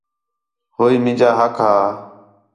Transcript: ہوئی مینجا حق ہا